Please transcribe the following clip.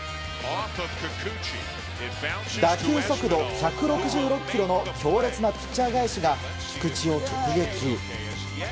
打球速度１６６キロの強烈なピッチャー返しが菊池を直撃。